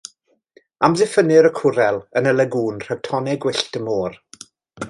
Amddiffynnir y cwrel yn y lagŵn rhag tonnau gwyllt y môr.